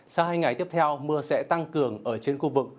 sau hai ngày tiếp theo mưa sẽ tăng cường ở trên khu vực